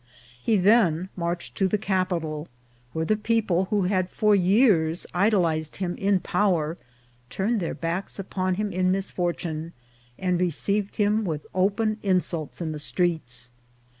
He then marched to the capital, where the people, who had for years idolized him in power, turned their backs upon him in misfortune, and received him with open insults m the streets.